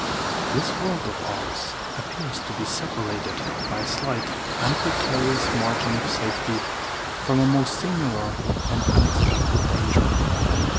This world of ours appears to be separated by a slight and precarious margin of safety from a most singular and unexpected danger.